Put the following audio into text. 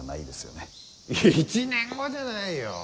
いや１年後じゃないよ。